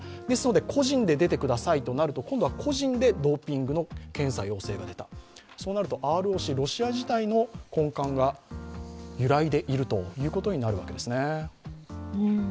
ですので個人で出てくださいとなる、今度は個人でドーピング検査の陽性が出た、そうなるとＲＯＣ、ロシア自体の根幹が揺らいでいることになるわけですね。